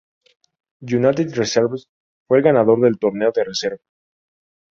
United Reserves fue el ganador del torneo de reserva.